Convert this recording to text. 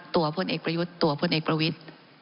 พลเอกประยุทธ์ตัวพลเอกประวิทธิ์